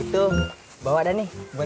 tidak ada yang nambah nay